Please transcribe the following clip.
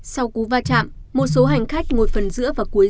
sau cú va chạm một số hành khách một phần giữa và cuối